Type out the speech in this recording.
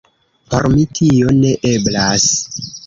Por mi tio ne eblas.